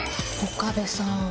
岡部さん